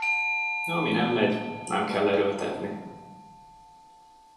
Ami nem megy, nem kell erőltetni.